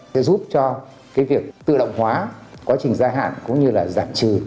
sẽ giúp cho cái việc tự động hóa quá trình gia hạn cũng như là giảm trừ